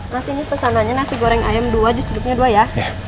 nasi ini pesanannya nasi goreng ayam dua jus cuduknya dua ya